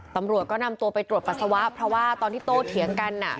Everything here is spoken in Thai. ตำรวจก็นำตัวไปตรวจปัสสาวะเพราะว่าตอนที่โตเถียงกัน